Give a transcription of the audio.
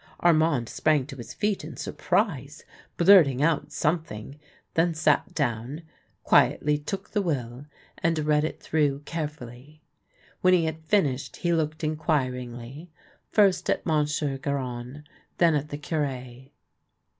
Armand sprang to his feet in surprise, blurting out something, then sat down, quietly took the will, and read it through carefully. When he had finished he looked inquiringly, first at Monsieur Garon, then at the Cure.